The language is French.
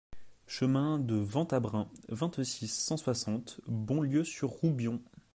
Chemin de Ventabren, vingt-six, cent soixante Bonlieu-sur-Roubion